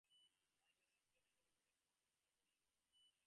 Like all synthetic elements, it has no stable isotopes.